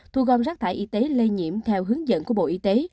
thu gom rác thải y tế lây nhiễm theo hướng dẫn của bộ y tế